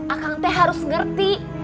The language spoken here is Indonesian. akang te harus ngerti